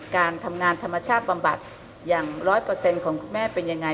การทำงานธรรมชาติปับบัติอย่างร้อยเปอร์เซ็นต์ของคุณแม่เป็นยังไง